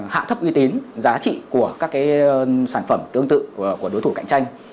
hạ thấp uy tín giá trị của các sản phẩm tương tự của đối thủ cạnh tranh